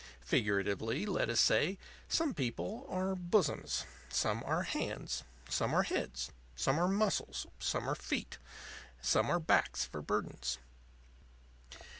Figuratively (let us say), some people are Bosoms, some are Hands, some are Heads, some are Muscles, some are Feet, some are Backs for burdens.